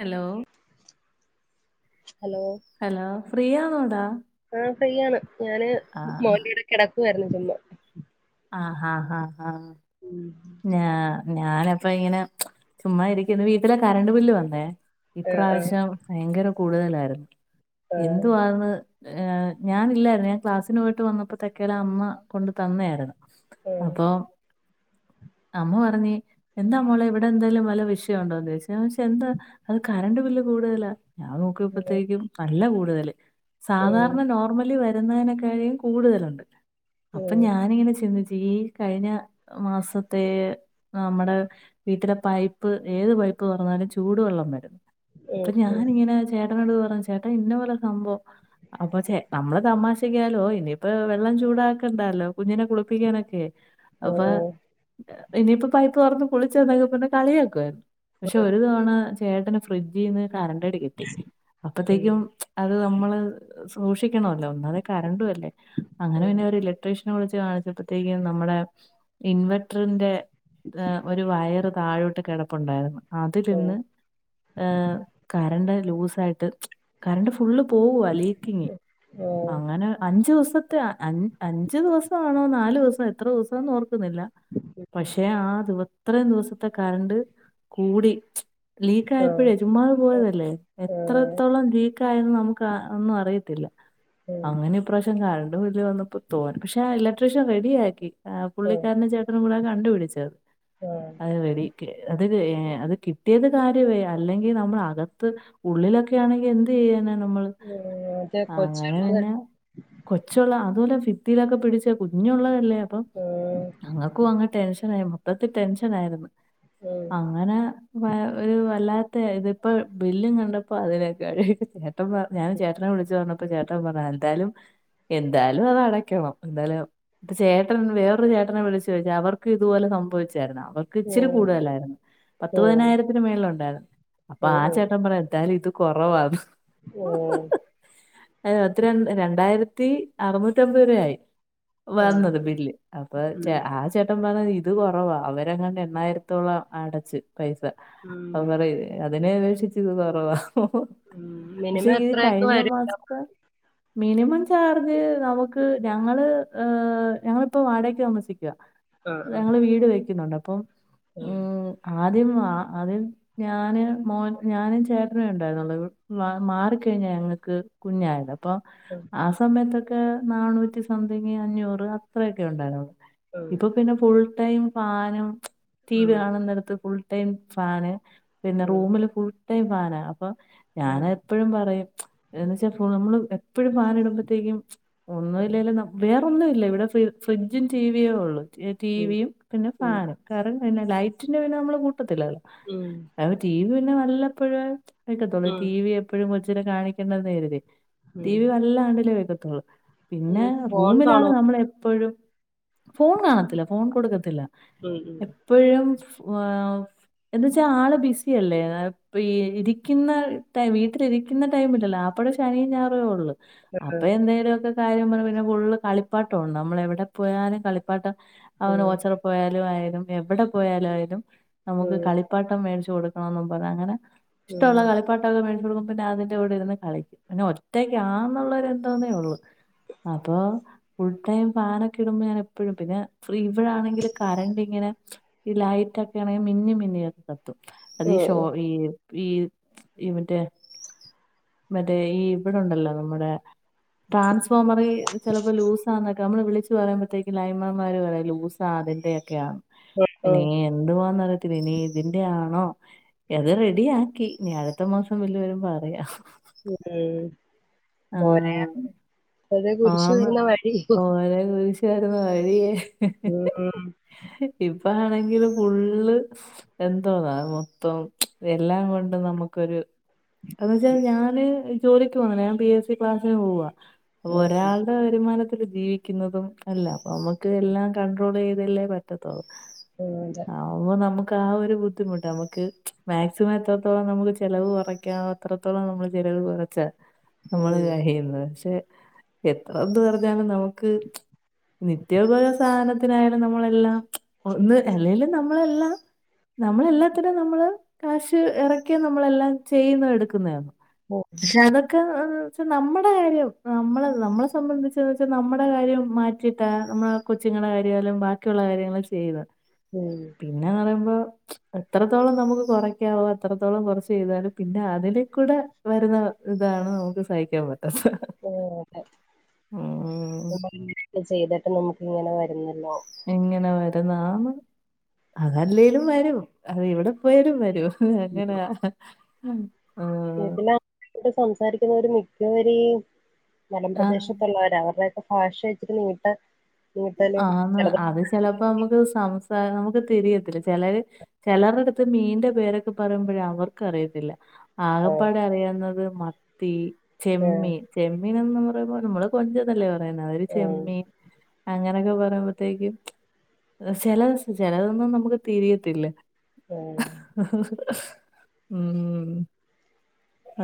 Hello hello hello ഫ്രീയാണോടാ ആഹ് ഫ്രീയാണ് ഞാന് ആഹ് മോൻ്റെ കൂടെ കിടക്കുവായിരുന്നു ചുമ്മ ആഹ് ഹാ ഹാ ഹാ ഉം ഞാ ഞാനപ്പൊ ഇങ്ങനെ ചുമ്മാ ഇരിക്കുന്നു വീട്ടിലെ കറണ്ട് ബില്ല് വന്നേ ആ ആ ഇപ്രാവശ്യം ഭയങ്കര കൂടുതലായിരുന്നു എന്തുവാത് ഏഹ് ഞാനില്ലായിരുന്നു ഞാൻ ക്ലാസ്സിന് പോയിട്ട് വന്നപ്പോത്തെക്കേല് അമ്മ കൊണ്ട് തന്നായിരുന്നു ആ ആ അപ്പൊ അമ്മ പറഞ്ഞ് എന്താ മോളെ ഇവിടെ എന്തേലും വല്ല വിഷയൊണ്ടോന്നോയ്ച്ച് ഞാൻ ചോയ്ച് എന്താ അത് കറണ്ട് ബില്ല് കൂടുതലാ ഞാൻ നോ ആ ക്കുമ്പത്തേക്കും നല്ല കൂടുതല് ആ ആ ആ ആ ആ ആ സാധാരണ ആ നോർമലി വര് രുന്നതിനെക്കാഴും കൂടുതലുണ്ട് അപ്പൊ ഞാനിങ്ങനെ ചിന്തിച്ച് ഈ കഴിഞ്ഞ മാസം ത്തേ നമ്മുടെ വീട്ടിലെ പൈപ്പ് ഏത് പൈപ്പ് തൊറന്നാലും ചൂടുവെള്ളം വരും അപ്പൊ ആ ഞാനിങ്ങനെ ചേട്ടനോട് പറഞ്ഞ് ചേട്ടാ ഇന്ന പോല സംഭവം അപ്പൊ ചേ നമ്മള് തമാശക്കായാലും ഓ ഇനിയിപ്പ വെള്ളം ചൂടാക്കണ്ടല്ലോ കുഞ്ഞിനെ കുളിപ്പിക്കാനൊക്കെ അപ്പൊ ഇനിയിപ്പോ പൈപ്പ് തുറന്ന് കുളിച്ചാ മതിയെന്ന് പറഞ്ഞ് കളിയക്കുവായിരുന്നു പക്ഷെ ഒരു തവണ ചേട്ടന് ഫ്രിഡ്ജീന്ന് കറണ്ട്ടി കിട്ടി അപ്പത്തേക്കും അത് നമ്മള് സൂക്ഷിക്കണല്ലോ ഒന്നാമതെ കരണ്ടും അല്ലേ അങ്ങനെ പിന്നെ ഇലക്ട്രിഷ്യനെ വിളിച്ച് കാണിച്ചപ്പോഴത്തേക്കും നമ്മുടെ ഇൻവേർട്ടറിന്റെ ഒരു വയറ് താഴോട്ട് കിടപ്പുണ്ടായിരുന്നു അതിൽനിന്ന് കറണ്ട് ലൂസ് ആയിട്ട് കറണ്ട് ഫുള്ള് പോകുവാ ലീക്കിങ്ങ് അങ്ങനെ അഞ്ചു ദിവസത്തെ അഞ്ചു ദിവസമാണോ നാല് ദിവസോ എത്ര ദിവസംന്ന് ഓർക്കുന്നില്ല പക്ഷെ ആഹ് അത്രയും ദിവസത്തെ കരണ്ട് കൂടി ലീക്ക് ആയപ്പോഴേ ചുമ്മാ പോയതല്ലേ എത്രത്തോളം ലീക്ക ആയെന്ന് നമുക്ക് ഒന്നും അറിയത്തില്ല ഓ ഈപ്രാവശ്യം കറണ്ട് വന്നപ്പോ തോന്നി പക്ഷെ ആ ഇലക്ട്രീഷ്യൻ റെഡിയാക്കി ആ ആ ആ പുള്ളിക്കാരന് ചെ കണ്ടുപിടിച്ചത് ആഹ് അത് റെഡി അത് അത് കിട്ടിയത് കാര്യമേ അല്ലെങ്കിൽ നമ്മള അകത്ത് ഉള്ളിലൊക്കെ ആണെങ്കി എന്ത് ചെയ്യാനാ നമ്മള്, മറ്റേ അങ്ങനെ കൊച്ചുള്ളത് പിന്നെ കൊച്ചുള്ള അതുപോലെ ഫിത്തിയിലൊക്കെ പിടിച്ച കുഞ്ഞുള്ളതല്ലേ അപ്പൊ [unintelligible] ഞങ്ങക്കും അങ് ടെൻഷനായി. മൊത്തത്തി ടെൻഷൻ ആയിരുന്നു ആ അങ്ങനെ, വാ ഒരു വല്ലാത്ത ഇത്, പ്പ ബില്ലും കണ്ടപ്പോ അതിനെക്കാടി ഹേ ട്ടൻ പ ഞാന് ചേട്ടനെ വിളിച്ചു പറഞ്ഞപ്പോ ചേട്ടൻ പറഞ്ഞു. ആഹ് എന്തായാലും എന്തായാലും അതടക്കണം. എന്തായാലും പ്പ ചേട്ടൻ വേറൊരു ചേട്ടനെ വിളിച്ച അവർക്ക് ഇതുപോലെ സംഭവിച്ചായിരുന്നു അവർക്ക് ഓ ഇച്ചിരി കൂടുതലായിരുന്നു. ഓ പത്തുപതിനായിരത്തിന് മേൾല്ണ്ടായിരുന്നു. ഓ ഓ അപ്പാചേട്ടൻ പറയ എന്തായാലും ഇത് കൊറവാണ് ഉം പത്തി ര രണ്ടായിരത്തി അറുനൂറ്റമ്പത് രുവആയി ആ വന്നത് ബില്ല് അപ്പ ഉം ആ ചേട്ടൻ പർഞ്ഞ ഇത് കൊറവാ, അവരെങ്ങാണ്ട് എണ്ണായിരത്തോളം അടച്ച് പൈസ ഉം അവൻ പറേയ് അതിനെ അപേക്ഷിച്ചിത് കൊറവാ ഓ.. ഉം പക്ഷെ മിനിമം ഈ എത്രയൊക്കെ കഴിഞ്ഞ വരും ആ മാസത്തെ മിനിമം ചാർജ് നമുക്ക്, ഞങ്ങള് ഞങ്ങളിപ്പോ വാടകക്ക് താമസിക് ക്യ. ഞങ്ങള് വീട് വെക്കുന്നുണ്ടപ്പം ആം ആദ്യംഅ ആദ്യം ഞാന് മോ ഞാനും ചേട്ടനേ ഉണ്ടായിരുന്നുള്ളൂ. മാറിക്കഴിഞ്ഞാ ഞങ്ങക് കുഞ്ഞായത് അപ് പ്പൊ ആ സമയത്തൊക്കെ നാനൂറ്റി സംതിങ്ങ് അഞ്ഞൂറ് അത്രയൊക്കെ ഉണ്ടായിനൊള്ളൂ ഇപ്പൊ പിന്നെ ഫുൾ ടൈം ഫാനും, ടി ആ വി കാണുന്നിടുത്ത് ഫുൾ ടൈം ഫാന് ആ പിന്നെ റൂമില് ഫുൾ ടൈം ഫാന അപ്പൊ ആ ഞാനെപ്പഴും പറയും, എന്ന് വെച്ചാ നമ്മള് എപ്പഴും ഫാനിടുമ്പത്തേക്കും ഒന്നു ഇല്ലേലും നം വേറൊന്നുഇല്ല, ഇവിടെ ഫി ഫ്രിഡ്ജും ടിവിയേ ഉള്ളൂ. ഉം ടീവിയും പിന്നെ ഉം ഫാനും കാരൺ പിന്നെ ലൈറ്റിന്റെ പിന്നെ നമ്മള് കൂട്ടത്തില്ലാലൊ ഉം അത് ടി വി പിന്നെ വല്ലപ്പോഴേ കേക്കത്തുള്ളൂ ഉം ടി വി എപ്പഴും കൊച്ചിനെ കാണിക്കണ്ടന്ന് കരുതി ടി ഉം വി വല്ലാണ്ടിലേ വെക്കത്തുള്ളൂ. ഈ പിന്നെ ഫോൺ റൂമിലാണ് കാണോ നമ്മളെപ്പഴും ഫോൺ കാണത്തില്ല. ഫോൺ കൊടുക്കത്തില്ല ഉം ഉം എപ്പഴും ഏഹ്.. എന്ന് വച്ചാ ആള് ബിസിയല്ലേ. ഇരിക്കുന്ന ടൈം വീട്ടിലിരിക്കുന്ന ടൈമില്ലല്ലേ അപ് അവിടെ ശനിയും ഞയറേ ഒള്ള് അതെ, അപ്പ അതെ. എന്തേലുമൊക്കെ കാര്യം പറഞ്ഞ പിന്നെ ഫുള്ള് കളിപ്പാട്ടവാണ്. നമ്മളെവിടെ പോയാലും പ്പാട്ടം അവന് ഓച്ചറ പോയാലും ആയാലും എവടെ പോയാലായാലും ഉം നമുക്ക് ഉം കളി പ്പാട്ടം മേടിച്ചു കൊടുക്കണംന്ന് പറഞ്ഞ് അങ്ങനെ ഉം ഇഷ്ടള്ള കളിപ് പ്പാട്ടൊക്കെ മേടിച്ചു കൊടുക്കു പിന്നതിന്റെ കൂടെ ഇരുന്ന് കളിക്കും. പിന്നെ ഒറ്റയ്ക്കാന്നുള്ളരെന്തോന്നേ ഉള്ളൂ അപ്പൊ ഫുൾടൈം ഫാനൊക്കെ ഇടുമ്പോ ഞാൻ എ പ്പഴും പിന്നെ ഫ്രീ ബിളാണെങ്കിൽ കറണ്ട് ഇങ്ങനെ ഈ ലൈറ്റ് ഒക്കെ ആണെങ്കി മിന്നി മിന്നിയെ കത്തു. അതീ ഷോ ഉം ഈ ഈ ഈ മറ്റേ മറ്റേ ഈ വിടെണ്ടല്ലോ നമ്മുടെ ട്രാൻസ്ഫോമറീ. ചെലപ്പോ ലൂസാന്നൊക്കെ അമ്മള് വിളിച്ച് പറയുമ്പോഴത്തേക്ക് ലൈൻ മാൻമാർ പറയും ലൂസാ അതിന്റെയൊക്കെയാണ്. ഉം ഇനീ ഉം എന്തുവാന്നറിയത്തില്ല, ഇനി ഇതിന്റെ ആണോ, ഏതായാലും റെഡി ആക്കി. ഇനി അടുത്ത മാസം ബില്ല് വരുമ്പറിയാ. ' [unintelligible] ആഹ് കുരിശ് ആന്ന്, വരുന്ന വഴി ഉം ഓരൊ കുരിശ് വരുന്ന വഴിയേ. ഉം ഇപ്പാണെങ്കില് ഫുള്ള്. എന്തോന്നാ മൊത്തം എല്ലാം കൊണ്ടും നമുക്കൊരു അത് എന്ന് വെച്ചാൽ ഞാന് ജോലിക്ക് പോണ ഞാൻ പി എസ് സി ക്ലാസ്സിന് പോവാ. ഉം ഒരാളുടെ വരുമാനത്തിൽ ജീവിക്കുന്നതും അല്ല, നമ്മുക്ക് എല്ലാം കൺട്രോൾ ചെയ്തല്ലേ പറ്റു. [unintelligible] [unintelligible] ആവുമ്പോ നമുക്ക് ആ ഒരു ബുദ്ധിമുട്ട് നമുക്ക് മാക്സിമം എത്രത്തോളം നമുക്ക് ചെലവ് കുറയ്ക്കാൻ, അത്രത്തോളം നമ്മള് ചെലവ് കുറച്ചാ ഉം നമ്മള് ചെയ്യുന്നത്, പക്ഷെ എത്ര എന്ത് പറഞ്ഞാലും നമുക്ക് നിത്യോപയോഗ സാധനത്തിനായാലും നമ്മളെല്ലാം ഒന്ന് അല്ലെലും നമ്മളെല്ലാം, നമ്മളെല്ലാത്തിനും നമ്മള് കാശ് ഇറക്കിയ നമ്മളെല്ലാം ചെയ്യുന്ന എടുക്കുന്നത്. ഉം ഉം പക്ഷെ, അതൊക്കെ നമ്മടെ കാര്യം. നമ്മള നമ്മളെ സംബന്ധിച്ചെന്ന് വെച്ചാൽ നമ്മുടെ കാര്യം മാറ്റിട്ടാ നമ്മളെ കൊച്ചിങ്ങളെ കാര്യാലും ബാ ക്കിള്ള കാര്യങ്ങൾ ചെയ്ന്ന ഉം പിന്നെ പറയുമ്പോ എത്രത്തോളം നമുക്ക് കുറയ്ക്കാവോ എത്രത്തോളം കുറച്ച് ചെയ്താലും പിന്നെ അതിലേക്കൂടെ വരുന്ന ഇതാണ് നമുക്ക് സഹിക്കാൻ പറ്റത്തത്. ഓ ഒക്കെ ചെയ്തിട്ട് നമുക്ക് ഇങ്ങനെ വരുന്നല്ലോ. എങ്ങനെ വരുന്നാന്ന് അതല്ലേലും വരും, അത് എവിടെ പോയാലും വരും. അത് എങ്ങനാ? ഈ പിന്നെ സംസാരിക്കുന്നത് മിക്കവരും ആ ആ, മലപ്രദേശ ത്തള്ളോരാ അവരുടെയൊക്കെ ഭാഷ വെച്ചിട്ട് നീട്ടം ആഹ് അത് ചിലപ്പോ നമുക്ക് സംസാരം നമുക്ക് തിരിയത്തില്ല, ചെലര് ചെലരടുത്ത് മീന്റെ പേരൊക്കെ പറയുമ്പോഴ് അവർക്കറിയത്തില്ല. ആഹ് ആകപ്പാടെ അറിയുന്നത് മത്തി, ഉം ചെമ്മീൻ ചെമ്മീൻ എന്ന് പറയുമ്പോൾ നമ്മള് കൊഞ്ചന്നല്ലേ പറയുന്നത്, അവര് ഉം ചെമ്മീൻ അങ്ങനൊക്കെ പറയുമ്പോത്തേക്കും ചില ചിലതൊന്നും നമുക്ക് തിരിയത്തില്ല. ഏഹ്. മ്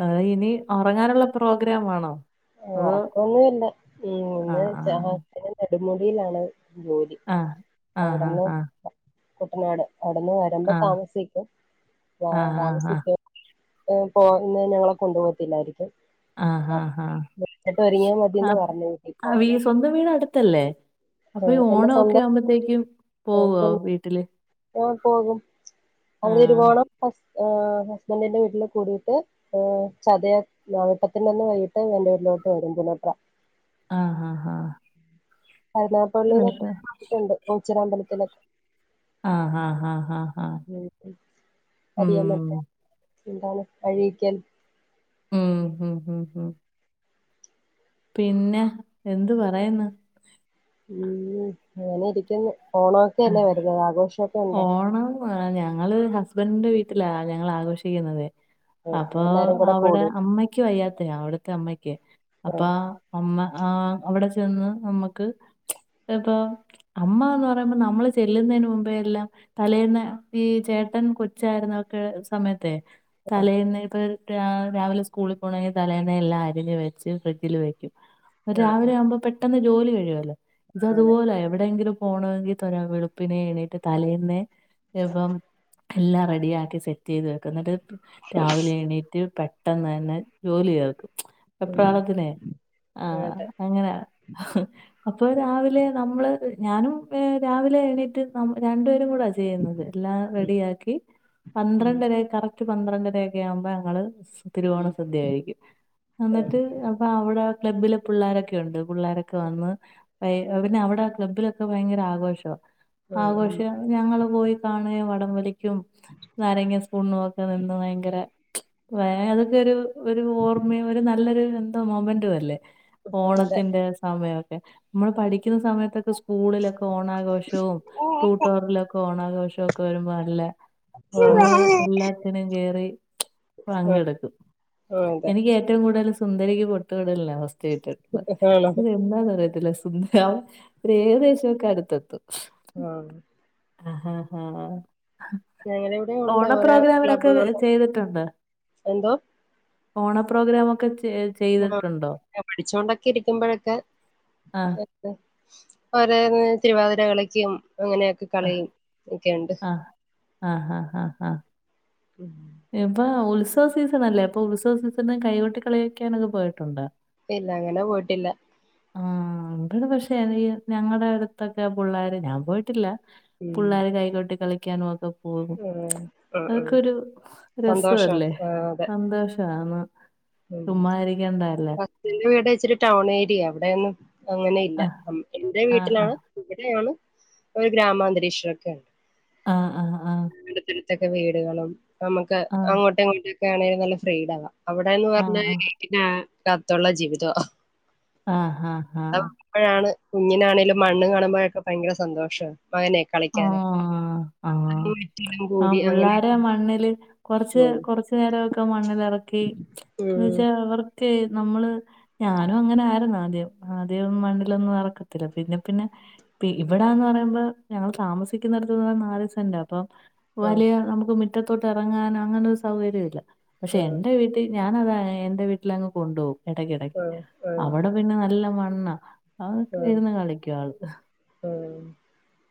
ആ ഇനി ഒറങ്ങാനുള്ള പ്രോഗ്രാം ആണോ? ആഹ് അതോ ഉറക്കൊന്നുല്ല ആ ഇന്ന് ചാച്ചൻ നെടുമുടിയിലാണ്. ജോലി, ആ ആ ആ അവിടന്ന് ആ കുട്ടനാട് അവിടെന്ന് വ രണ്ട് ആ താമസിക്കും, ആ ആ ആ താമസിക്ക പോ പോ ഇന്ന് ഞങ്ങളെ കൊണ്ടു പോകത്തില്ലായിരിക്കും. ആഹ് ആഹ് മതിയെന്ന് ആഹ് പറഞ്ഞു വീട്ടിൽ ആ വി പോകാനായിട്ട് സ്വന്തം വീട് അടു ത്തല്ലേ, ആ, അപ്പോ ഈ എന്റെ ഓണക്കെ സ്വന്തം ആകുമ്പോത്തേക്കും പോവുവോ വീട്ടില്. ഓ പോകും ആ അവനരുവോണം ഹസ് ഹസ്ബൻറിന്റെ വീട്ടില് കൂടിയിട്ട് ആ ചതയ നാപ്പത്തിനെന്ന് വൈകിട്ട് വണ്ടൂരിലോട്ട് വരും പുനോട്ര ആ ഹാ ഹാ അറണാപള്ളിയിലൊ [unintelligible] ഓച്ചിറ അമ്പലത്തില ആ ഹാ ഹാ ഹാ അറിയോ മറ്റേ എന്താണ് അഴീക്കൽ ഉം ഉം ഉം ഉം പിന്നെ എന്ത് പറയ്ന്ന്? ഉം. ഇങ്ങനെരിക്ക്ന്ന് ആ, ഓണൊക്കെല്ലേ വരുന്നത് ആഘോഷക്കെ ഇണ്ടോ? ഓണം ആ ഞങ്ങള് ഹസ്ബൻഡ് വീട്ടിലാ ഞങ്ങളാഘോഷിക്കുന്നത്. ഉം, അപ്പൊ എല്ലാരും കൂടെ അവടെ കൂടും അമ്മക്ക് വയ്യാത്ത യാ അവിടത്തെ അമ്മക്ക് ആ അപ്പോ അമ്മ ആ അവിടെ ചെന്ന് നമ്മുക്ക് ഇപ്പൊ അമ്മ എന്ന് ഇപ്പം നമ്മള് ചെല്ലുന്നതിന് മുമ്പേ എല്ലാം. തലേന്ന് ഈ ചേട്ടൻ കൊച്ചായിരുന്നക്കെ സമയത്തെ തലേൽന്ന് ഇപ്പൊഴ് രാവ രാവിലെ സ്കൂള് പോണേ തലേന്നെല്ലാം അരിഞ്ഞ് വെച്ച് ഫ്രിഡ്ജിൽ വെക്കും. ആ രാവിലെ ആ ആവുമ്പോ പെട്ടെന്ന് ജോലി കഴിയുവല്ലോ ഇത് അതെ അതുപോലെ എവിടെയെങ്കിലും പോണങ്കിൽ ഇത്തരെ വെളുപ്പിനെ എണീട്ട് തലേന്നേ [unintelligible] എല്ലാം റെഡിയാക്കി സെറ്റ്യെയ്ത് വെക്കന്ന്ട്ട് രാവിലെ എണീറ്റ് പെ ട്ടെന്ന്ന്നന്നെ ജോലി യേർക്കും [inaudible] ഉം എപ്രാളത്തിനെ ആ അതെ അങ്ങനെഇഹ് അപ്പൊ രാവിലെ നമ്മള്ഞാനും. ഏ രാവിലെ എണീറ്റ് നമ്മ രണ്ടുപേരും കൂടെ [unintelligible] എല്ലാം ഉം റഡിയാക്കി ഉം പന്ത്രണ്ടരയ്ക ഒരു പന്ത്രണ്ടരൊക്കെ ആവുമ്പം അങ്ങള് തിരുവോണ ഉം സദ്യയിരിക്കും ഉം ന്നിട്ട് അപ്പൊ അവടെ ക്ലബിലും പിള്ളോരൊക്കെയുണ്ട് പിള്ളോരൊക്കെ വന്ന് പൈഅപിന്നെ അവടെ ക്ലബ്ബിലൊക്കെ ഭയങ്കര ആഘോഷവാ. ഉം ആഘോഷ ഉം, ഞങ്ങള് പോയി കാണെ വടംവലിക്കും. നാരങ്ങ സ്പൂണ് ഒക്കെ നിന്ന് ഭയങ്കര [unintelligible] ഒരു ഓർമ്മയും ഒരു നല്ലൊരു എന്തോ മൊമെൻ്റ്അല്ലേ അതെ ഓണത്തിന്റെ സമയഒക്കെ നമ്മൾ പഠിക്കുന്ന സമയത്തൊക്കെ സ്ക്കൂ സ്കൂളിലൊക്കെ ഓണാഘോഷവും, ടൂ ടോറിലൊക്കെ ഓണാഘോഷക്കെവരുമ്പോ അല്ലേ ആ നമ്മള് എല്ലാത്തിനും കേറി ആ പങ്കെടുക്കും. ആ, അതെ എനിക്ക് ഏറ്റവും കൂടുതൽ സ സുന്ദരിക്ക് പൊട്ട്തൊടൽ ല്ല അവസ്ഥ റിയത്തില്ല ആണോ സു [unintelligible] [unintelligible] ഏകദേശംഒക്കെ അടുത്തെത്തും ആ ആഹാ ഹാ [unintelligible] ഞങ്ങടെ ഇവിടെ ഉണ്ട് ഓരോ ഹഹ്ഓണപ്രോഗ്രാമിനൊക്കെ ക്ലബ്ബുകൾ ചെയ്ത്ട്ട്ണ്ട്. എന്തോ ഓണ പ്രോഗ്രാംമൊക്കെ ചെച് [unintelligible] പഠിച്ചോണ്ടൊക്കെ ഇരിക്കുമ്പോഴൊക്കെ ആ. എ അ് ഒരേ തിരുവാതിരകളിക്കും. അങ്ങനെയൊകെ ആ. കളിയും ഒക്കെയുണ്ട്. ആ. ആഹാഹാഹാ. ഇപ്പൊ ഉത്സവ സീസൺ അല്ലേ അപ്പൊ ഉത്സവ സീസൺ കൈകൊട്ടി കളി ക്കാനൊക്കെ പോയിട്ടുണ്ട ഇല്ല അങ്ങനെ പോയിട്ടില്ല. ആ ഇടെ പക്ഷേ ഈ ഞങ്ങളുടെ അടുത്തൊക്കെ പുള്ളേര് ഞാൻ പോയിട്ടില്ല. ഉം പുള്ളേർ കൈകൊട്ടികളിക്കാനും ഒക്കെ പോകും ഉം ഉം ഉം അതൊക്കെരു സന്തോഷം രസല്ലേ! ആഹ് അതെ സന്തോഷ ആണ് ഉം പത്തിൻ്റെ വീടെവച്ചിടൗൺ ഏരിയ അവിടെന്ന് അങ്ങനെ ഇല്ല ആ അം എന്റെ ആ ആ വീട്ടിലാണ്, ഇവിടെയാണ്, ഒരു ഗ്രാമാന്തരീക്ഷഒക്കെ ആ ആ ആ ആ അടുത്തടുത്തൊക്കെ വീടുകളും നമുക്ക് ആ അങ്ങോട്ടും ഇങ്ങോട്ട് ആണെലും നല്ല ഫ്രീഡവാ അവിടെന്ന് ആ പറഞ്ഞാൽ പിന്നെ വീട്ടിനകത്തുള്ള ജീവിതാ ആ ആആ പ്പോഴാണ് കുഞ്ഞിനൊണെങ്കിലും മണ്ണ് കാണുമ്പോഴൊക്കെ ഭയങ്കര സന്തോഷം മകനെ ആ കളിക്കാൻ ആ ആ [unintelligible] ആ പിള്ളേരമണ്ണില് കുറച്ച് ഉം കൊറ ചെനെരൊക്കെമണ്ണിലിറക്കി ന്ന് ഉം വെച്ചാ അവർക്ക് നമ്മള് ഞാനും അങ്ങനെ ആരുന്നു ആദ്യം ആദ്യം മണ്ണിലൊന്നും ഇറക്കത്തില്ല പിന്നെ പിന്നെ പിന്നെഇപ്പടാന്ന് പറയുമ്പോ ഞങ്ങള് താമസിക്കുന്നടത്ത്ന്ന് നാല് സെന്റപ്പൊ ആഹ് വലിയ നമുക്ക് മുിറ്റത്തോട്ട് ഇറങ്ങാനൻ അങ്ങനെ ഒരു സൗകര്യം ഇില്ല പക്ഷെ ആഹ് എൻ്റെ വീട് ഇത് ഞാനതാ എന്റെ വീട്ടിലങ്ങ് കൊണ്ടുപോകും ഇടക്കിടക്ക് ആഹ് ആഹ് അവിടെ പിന്നെ നല്ല മണ്ണാ അഒക്കെ ആഹ് ഇരുന്ന് കളിക്കും ആള് [unintelligible] [unintelligible]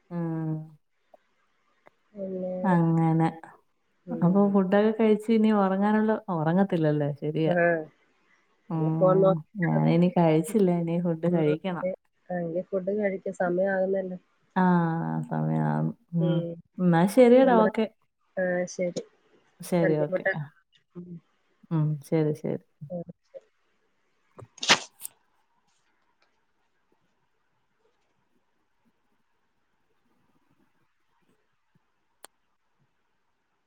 ആ പിന്നെ അങ്ങനെ അപ്പൊ ഉം. ഫുഡൊക്കെ കഴിച്ച് ഇനി ഒറങ്ങാനുള്ള ഒറ ങ്ങത്തില്ലല്ലേ [unintelligible] ഞാനിനി കഴിച്ചില്ല ഇനി ഫുഡ് കഴിക്കണം ആങ്ഫുഡ് കഴിച്ചി സമയം ആകുന്നല്ലോ ആ എന്ന ശരി [unintelligible] നമ്മടെ ആ ശരി ശരി പര് ഓക്കെ ചപ്പെട്ട ഉം ശരി ശരി [inaudible]